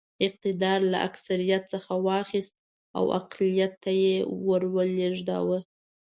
اقتدار له اکثریت څخه واخیست او اقلیت ته یې ور ولېږداوه.